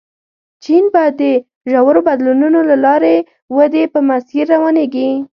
چین به د ژورو بدلونونو له لارې ودې په مسیر روانېږي.